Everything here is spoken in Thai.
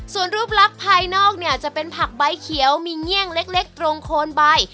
ส่วนรูปลักษณ์ภายนอกเนี่ยจะเป็นผักใบเขียวมีเงี่ยงเล็กตรงโคนใบ